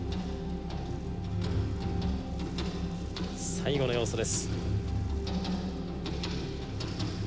最後の要素です。